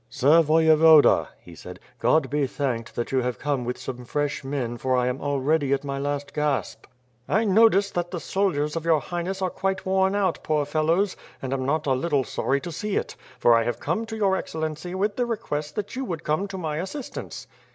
"Sir Voyevoda," he said, "God be thanked that you have come with some fresh men for I am already at my last gasp." "I noticed that the soldiers of your Highness are quite worn out, poor fellows, and am not a little sorry to see it; for I have come to your Excellency with the request that you would come to my assistance."